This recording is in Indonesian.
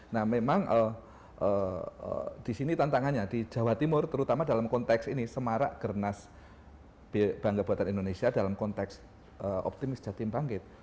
nah memang di sini tantangannya di jawa timur terutama dalam konteks ini semarak gernas bangga buatan indonesia dalam konteks optimis jatim bangkit